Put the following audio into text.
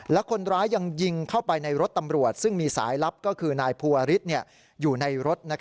และคนร้ายยังยิงเข้าไปในรถตำรวจซึ่งมีสายลับก็คือนายภูวริสอยู่ในรถ